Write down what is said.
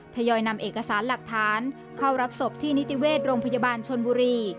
ทยอยนำเอกสารหลักฐานเข้ารับศพที่นิติเวชโรงพยาบาลชนบุรี